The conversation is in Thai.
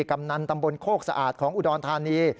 กำนันตำบลโคกสะอาดของอุดรธานี